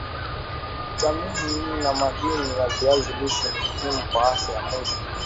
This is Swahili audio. vitamini na madini ya viazi lishe ni muhimu kwa afya ya mwili